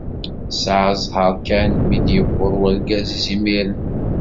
Tesεa ẓẓher kan mi d-yewweḍ urgaz-is imir-en.